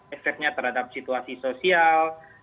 efeknya terhadap situasi sosial